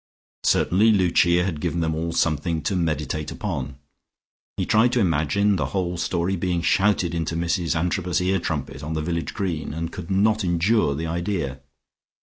Certainly Lucia had given them all something to meditate upon. He tried to imagine the whole story being shouted into Mrs Antrobus's ear trumpet on the village green, and could not endure the idea.